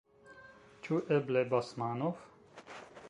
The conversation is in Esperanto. Ĉu eble Basmanov?